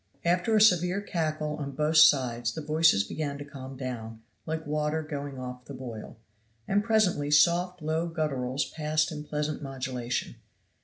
After a severe cackle on both sides the voices began to calm down like water going off the boil, and presently soft low gutturals passed in pleasant modulation.